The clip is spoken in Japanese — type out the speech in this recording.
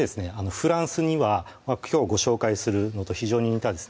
フランスにはきょうご紹介するのと非常に似たですね